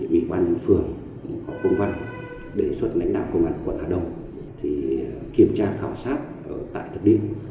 bị quan phường công văn đề xuất lãnh đạo công an quận hà đồng thì kiểm tra khảo sát ở tại thật điên